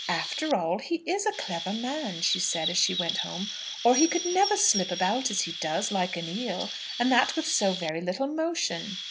"After all, he is a clever man," she said, as she went home, "or he could never slip about as he does, like an eel, and that with so very little motion."